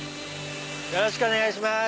よろしくお願いします